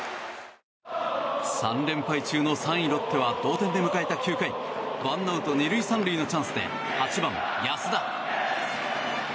３連敗中の３位、ロッテは同点で迎えた９回ワンアウト２塁３塁のチャンスで８番、安田。